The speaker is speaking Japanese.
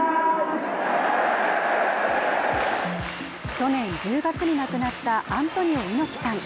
去年１０月に亡くなったアントニオ猪木さん。